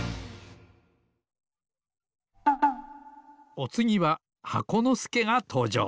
おつぎは箱のすけがとうじょう